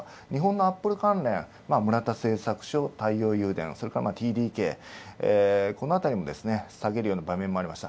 日本のアップル関連、村田製作所、太陽誘電、ＴＤＫ、このあたりも下げるような場面もありました。